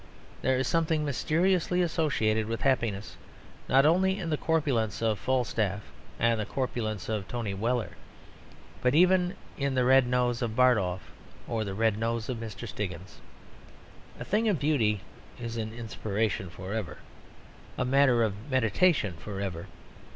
There is something mysteriously associated with happiness not only in the corpulence of Falstaff and the corpulence of Tony Weller, but even in the red nose of Bardolph or the red nose of Mr. Stiggins. A thing of beauty is an inspiration for ever a matter of meditation for ever.